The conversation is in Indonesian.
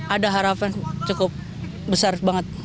ada harapan cukup besar banget